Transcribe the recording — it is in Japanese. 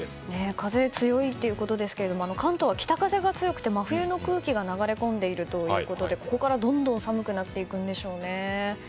風、強いということですが関東は北風が強くて真冬の空気が流れ込んでいるということでここからどんどん寒くなっていくんでしょうね。